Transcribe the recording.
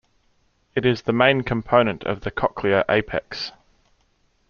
It is the main component of the cochlear apex.